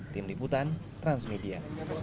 tim liputan transmedia